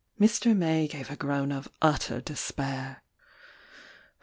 Mr. May gave a groan of utter despair.